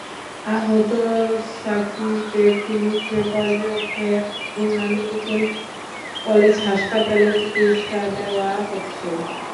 আহত সাকিরকে পুলিশ হেফাজতে খুলনা মেডিকেল কলেজ হাসপাতালে চিকিত্সা দেওয়া হচ্ছে।